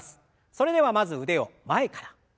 それではまず腕を前から。